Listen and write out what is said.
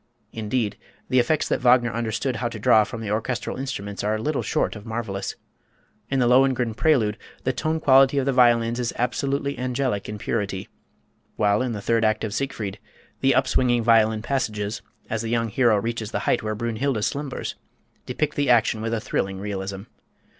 Indeed, the effects that Wagner understood how to draw from the orchestral instruments are little short of marvellous. In the "Lohengrin" prelude the tone quality of the violins is absolutely angelic in purity; while in the third act of "Siegfried," the upswinging violin passages as the young hero reaches the height where Brünnhilde slumbers, depict the action with a thrilling realism.